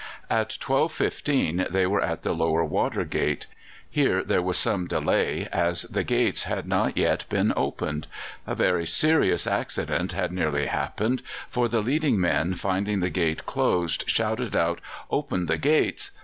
At 12.15 they were at the Lower Water Gate. Here there was some delay, as the gates had not yet been opened. A very serious accident had nearly happened, for the leading men, finding the gate closed, shouted out, "Open the gates!"